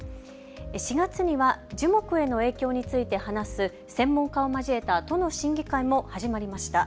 ４月には樹木への影響について話す専門家を交えた都の審議会も始まりました。